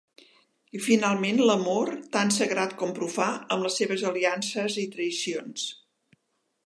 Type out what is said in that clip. I, finalment, l'amor, tant sagrat com profà, amb les seves aliances i traïcions.